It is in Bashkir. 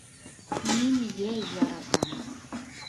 Мин йәй яратам